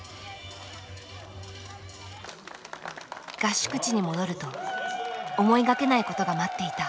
合宿地に戻ると思いがけないことが待っていた。